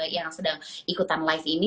yang sedang ikutan live ini